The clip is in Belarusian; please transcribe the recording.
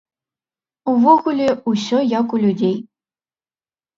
Увогуле, усё як у людзей.